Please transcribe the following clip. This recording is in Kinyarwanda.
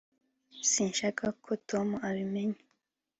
sinshaka ko tom abimenya